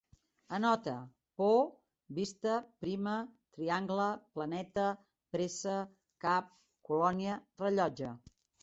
Anota: por, vista, prima, triangle, planeta, pressa, cap, colònia, rellotge